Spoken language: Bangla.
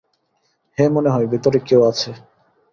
হ্যাঁ মনে হয় ভেতরে কেউ আছে।